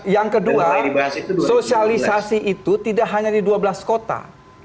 yang kedua sosialisasi itu tidak hanya di dua puluh satu tahun